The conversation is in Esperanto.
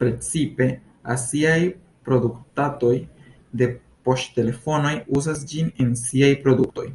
Precipe aziaj produktantoj de poŝtelefonoj uzas ĝin en siaj produktoj.